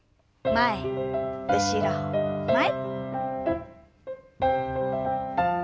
前後ろ前。